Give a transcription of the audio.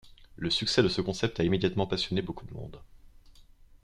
Le succès de ce concept a immédiatement passionné beaucoup de monde.